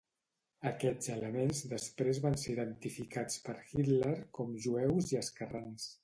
Aquests elements després van ser identificats per Hitler com jueus i esquerrans.